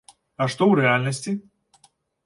А што ў рэальнасці?